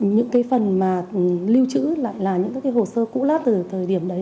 những phần lưu trữ lại là những hồ sơ cũ lát từ thời điểm đấy